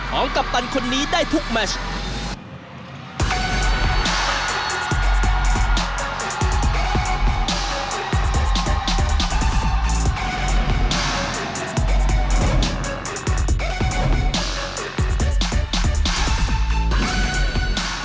กัปตันคนนี้ได้ทุกแมช